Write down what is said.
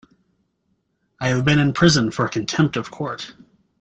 I have been in prison for contempt of court.